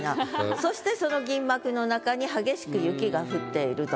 そしてその銀幕の中に激しく雪が降っていると。